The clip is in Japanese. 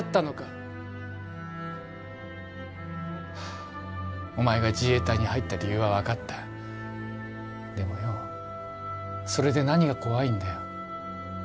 あお前が自衛隊に入った理由は分かったでもよそれで何が怖いんだよ